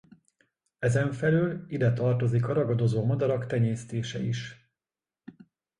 Ezenfelül ide tartozik a ragadozó madarak tenyésztése is.